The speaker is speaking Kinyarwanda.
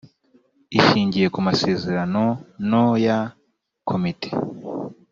ishingiye ku masezerano no ya komite